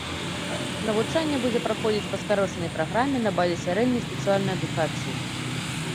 Навучанне будзе праходзіць па скарочанай праграме, на базе сярэдняй спецыяльнай адукацыі.